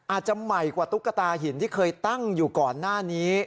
อาจจะใหม่กว่าตุ๊กตาหินที่เคยตั้งอยู่ก่อนหน้านี้